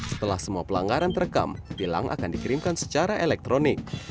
setelah semua pelanggaran terekam tilang akan dikirimkan secara elektronik